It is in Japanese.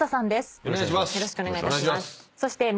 よろしくお願いします。